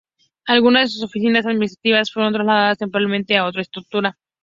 Algunas de sus oficinas administrativas fueron trasladadas temporalmente a otro estructura.